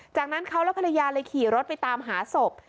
จากนั้นเขาและภรรยาเลยขี่รถไปตามหาศพ